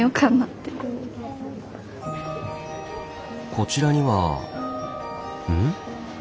こちらにはうん？